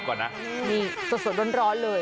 สดสดร้อนเลย